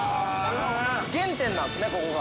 ◆原点なんですね、ここが。